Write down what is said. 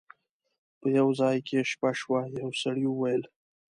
په یو ځای کې یې شپه شوه یو سړي وویل.